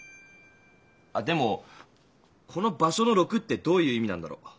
でもこの場所の「６」ってどういう意味なんだろう？